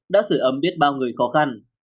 đã sửa ấm biết bao người khó khăn